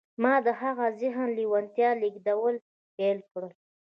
ما د هغه ذهن ته د لېوالتیا لېږدول پیل کړل